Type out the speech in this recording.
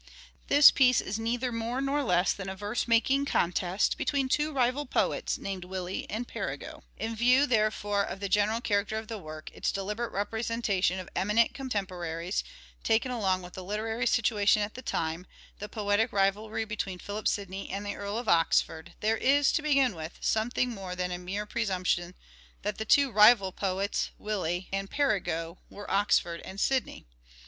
This piece is neither more nor less than a verse making contest between two rival poets named "Willie " and " Perigot." In view, there fore, of the general character of the work, its deliberate representation of eminent contemporaries, taken along with the literary situation at that time, the poetic rivalry between Philip Sidney and the Earl of Oxford, there is, to begin with, something more than a mere presumption that the two rival poets, " Willie" and " Perigot," were Oxford and Sidney.